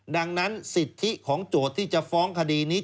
ดังนั้นสิทธิของโจทย์ที่จะฟ้องคดีนี้